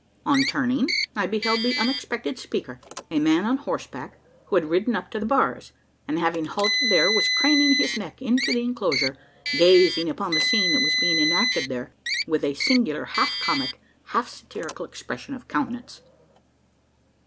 On turning, I beheld the unexpected speaker a man on horseback, who had ridden up to the bars; and having halted there was craning his neck into the enclosure gazing upon the scene that was being enacted there, with a singular half comic, half satirical expression of countenance!